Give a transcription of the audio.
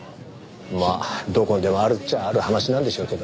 まあどこにでもあるっちゃある話なんでしょうけど。